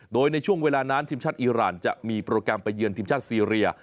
โดยในช่วงเวลานั้นทีมชาติอีรานจะมีโปรแกรมไปเยือนทีมชาติซีเรีย